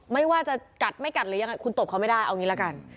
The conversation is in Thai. ไม่ว่าจะกัดไม่กัดหรือยังไงคุณตบเขาไม่ได้เอางี้ละกัน